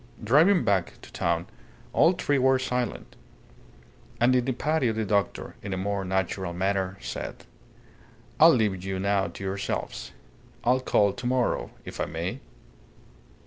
Driving back to town, all three were silent. And in the patio the doctor, in a more natural manner, said "I'll leave you now to yourselves. I'll call to morrow if I may?"